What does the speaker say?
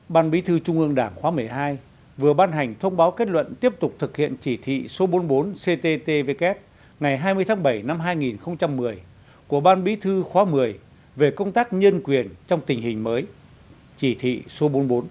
ban bí thư trung ương đảng khóa một mươi hai vừa ban hành thông báo kết luận tiếp tục thực hiện chỉ thị số bốn mươi bốn cttvk ngày hai mươi tháng bảy năm hai nghìn một mươi của ban bí thư khóa một mươi về công tác nhân quyền trong tình hình mới chỉ thị số bốn